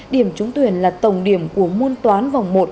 điểm trúng tuyển là tổng điểm của môn toán vòng một